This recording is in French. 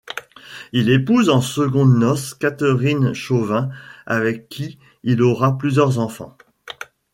Il épouse en secondes noces Catherine Chauvin avec qui il aura plusieurs enfants.